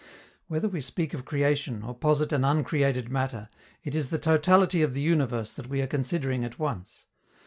Whether we speak of creation or posit an uncreated matter, it is the totality of the universe that we are considering at once.